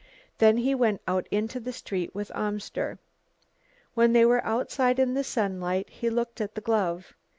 Then he went out into the street with Amster. When they were outside in the sunlight, he looked at the glove.